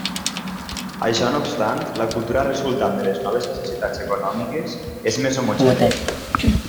Això no obstant, la cultura resultant de les noves necessitats econòmiques és més homogènia.